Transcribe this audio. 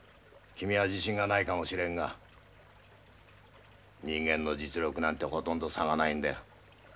君は自信がないかもしれんが人間の実力なんてほとんど差がないんだよ。